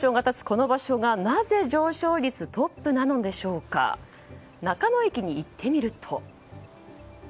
この場所がなぜ上昇率トップなのか中野駅に行ってみると。